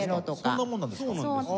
そんなもんなんですか？